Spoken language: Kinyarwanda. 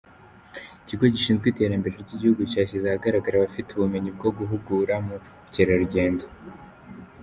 Ikigo gishinzwe iterambere ryigihugu cyashyize ahagaragara abafite ubumenyi bwo guhugura mu by’ubukerarugendo